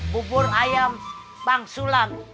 bubur ayam bang sulam